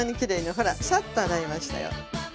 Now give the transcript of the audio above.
ほらサッと洗えましたよ。